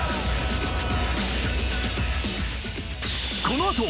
このあと